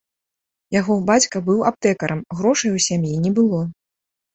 Яго бацька быў аптэкарам, грошай у сям'і не было.